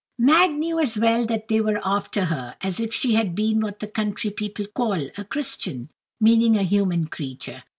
Mag knew as well that they were after her as if she had been what the country people call a Christian, meaning a human creature.